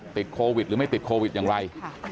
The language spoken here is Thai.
ติดโควิดหรือไม่ติดโควิดอย่างไร